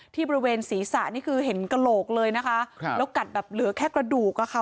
บริเวณศีรษะนี่คือเห็นกระโหลกเลยนะคะครับแล้วกัดแบบเหลือแค่กระดูกอะค่ะ